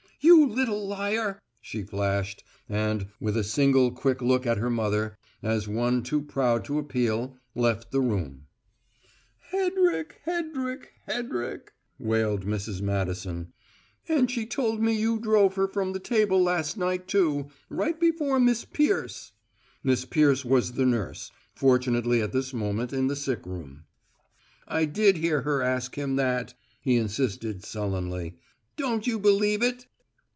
"You little liar!" she flashed, and, with a single quick look at her mother, as of one too proud to appeal, left the room. "Hedrick, Hedrick, Hedrick!" wailed Mrs. Madison. "And she told me you drove her from the table last night too, right before Miss Peirce!" Miss Peirce was the nurse, fortunately at this moment in the sick room. "I did hear her ask him that," he insisted, sullenly. "Don't you believe it?"